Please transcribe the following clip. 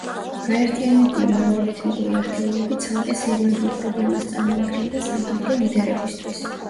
გაერთიანებული მრავალეთნიკური ერთეულები ცალკე სერიოზულ პრობლემას წარმოადგენდა სამხედრო ლიდერებისთვის.